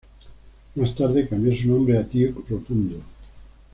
Más tarde, cambió su nombre a Duke Rotundo.